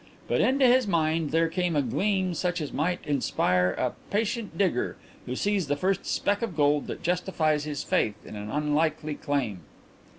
But into his mind there came a gleam such as might inspire a patient digger who sees the first speck of gold that justifies his faith in an unlikely claim.